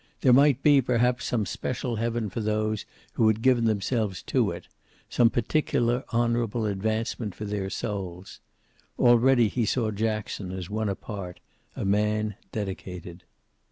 There might be, perhaps, some special heaven for those who had given themselves to it, some particular honorable advancement for their souls. Already he saw Jackson as one apart, a man dedicated.